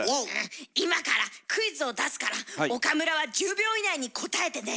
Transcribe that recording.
今からクイズを出すから岡村は１０秒以内に答えてね。